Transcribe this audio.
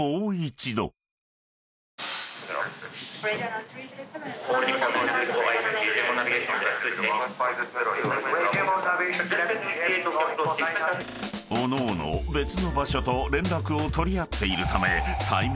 ［おのおの別の場所と連絡を取り合っているため］